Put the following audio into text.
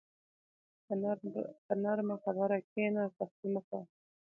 په نرمه خبره کښېنه، سختي مه کوه.